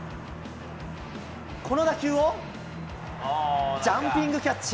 この打球をジャンピングキャッチ。